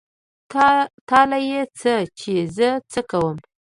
تا له يې څه چې زه څه کوم.